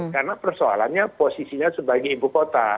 karena persoalannya posisinya sebagai ibu kota